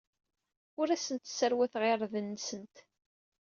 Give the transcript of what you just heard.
Ur asent-sserwateɣ irden-nsent.